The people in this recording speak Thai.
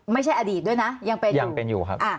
ไม่ใช่อดีตด้วยนะยังเป็นยังเป็นอยู่ครับ